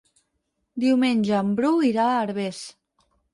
Diumenge en Bru irà a Herbers.